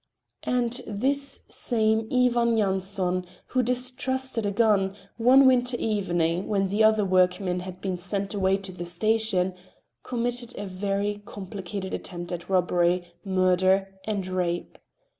And this same Ivan Yanson, who distrusted a gun, one winter evening, when the other workmen had been sent away to the station, committed a very complicated attempt at robbery, murder and rape.